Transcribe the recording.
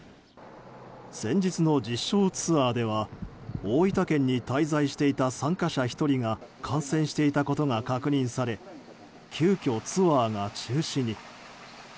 先日の実証ツアーでは大分県に滞在していた参加者１人が感染していたことが確認され急きょ、ツアーが中止に。